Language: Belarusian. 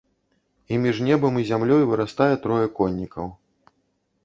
І між небам і зямлёй вырастае трое коннікаў.